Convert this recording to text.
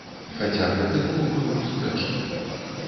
Хаця гэты гол быў спрэчным.